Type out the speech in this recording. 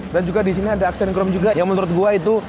dan juga disini ada aksen chrome juga yang menurut gua itu